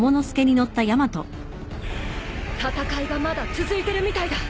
戦いがまだ続いてるみたいだ。